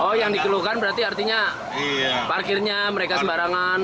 oh yang dikeluhkan berarti artinya parkirnya mereka sembarangan